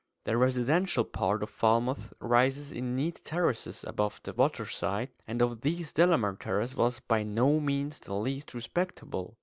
The residential part of Falmouth rises in neat terraces above the waterside, and of these Delamere Terrace was by no means the least respectable.